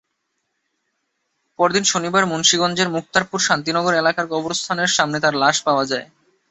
পরদিন শনিবার মুন্সিগঞ্জের মুক্তারপুর শান্তিনগর এলাকার কবরস্থানের সামনে তার লাশ পাওয়া যায়।